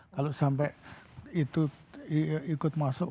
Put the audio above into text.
kalau sampai itu ikut masuk